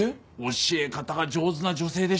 教え方が上手な女性でした。